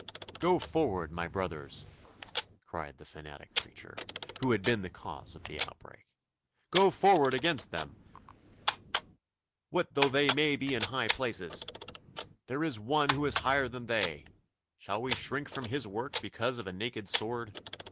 'Go forward, my brothers,' cried the fanatic preacher, who had been the cause of the outbreak 'go forward against them! What though they be in high places! There is One who is higher than they. Shall we shrink from His work because of a naked sword?